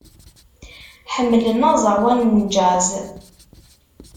Ḥemmlen aẓawan n jazz.